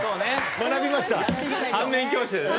学びました。